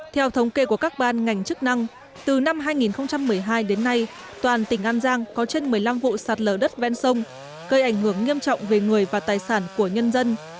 theo thống kê của các ban ngành chức năng từ năm hai nghìn một mươi hai đến nay toàn tỉnh an giang có trên một mươi năm vụ sạt lở đất ven sông gây ảnh hưởng nghiêm trọng về người và tài sản của nhân dân